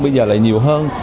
bây giờ lại nhiều hơn